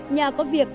nhà có việc